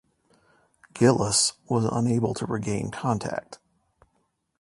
"Gillis" was unable to regain contact.